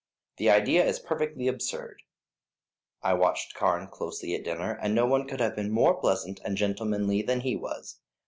The idea is perfectly absurd. I watched Carne closely at dinner, and no one could have been more pleasant and gentlemanly than he was.